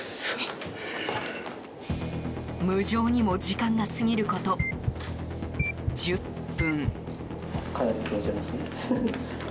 無情にも時間が過ぎること１０分。